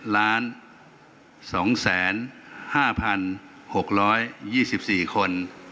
๕๑ล้าน๒แสน๕พัน๖ร้อย๒๔คน